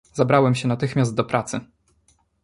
"Zabrałem się natychmiast do pracy."